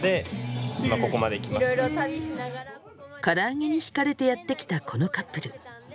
からあげに引かれてやって来たこのカップル。